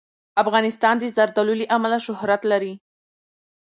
افغانستان د زردالو له امله شهرت لري.